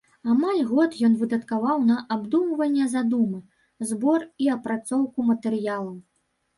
Амаль год ён выдаткаваў на абдумванне задумы, збор і апрацоўку матэрыялаў.